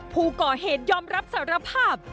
ผู้ก่อเหตุยอมรับสารภาพ